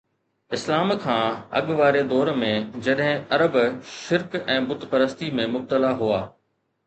اسلام کان اڳ واري دور ۾، جڏهن عرب شرڪ ۽ بت پرستي ۾ مبتلا هئا